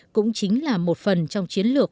cũng chính là một phần trong chiến lược